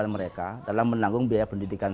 blanquer también karena usaha pendidikan